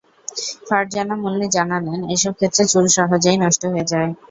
ফারজানা মুন্নি জানালেন, এসব ক্ষেত্রে চুল খুব সহজেই নষ্ট হয়ে যায়।